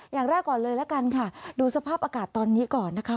อย่างแรกก่อนเลยละกันค่ะดูสภาพอากาศตอนนี้ก่อนนะคะ